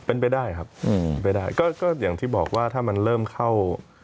เป็นไปได้ครับอืมไปได้ก็ก็อย่างที่บอกว่าถ้ามันเริ่มเข้า